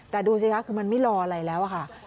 แต่ดูสิครับเขาไม่รออะไรแล้วค่ะ